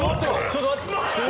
ちょっと待って。